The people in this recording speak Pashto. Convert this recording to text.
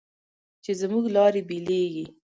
چې زموږ لارې بېلېږي